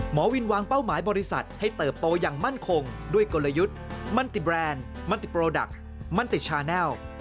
หมอวินวางเป้าหมายบริษัทให้เติบโตอย่างมั่นคงด้วยกลยุทธ์มันติแรนด์มันติโปรดักต์มันติชาแนล